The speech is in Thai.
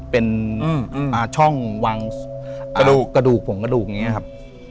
เป็นช่องวางกระดูกผงกระดูกอย่างนี้ครับ